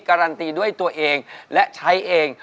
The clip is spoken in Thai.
การันตีด้วยตัวเองและใช้เอง